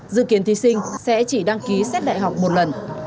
dự kiến thí sinh sẽ chỉ đăng ký xét đại học một lần